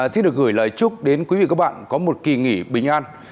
xin được gửi lời chúc đến quý vị và các bạn có một kỳ nghỉ bình an